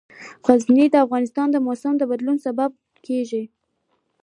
غزني د افغانستان د موسم د بدلون سبب کېږي.